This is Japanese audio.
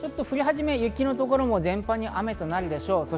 降り始め、雪の所も全般に雨となるでしょう。